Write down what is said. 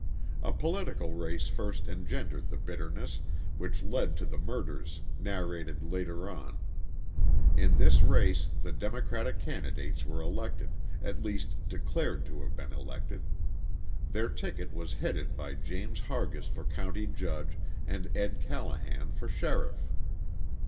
A political race first engendered the bitterness which led to the murders narrated later on. In this race the Democratic candidates were elected, at least declared to have been elected. Their ticket was headed by James Hargis for county judge and Ed. Callahan for sheriff.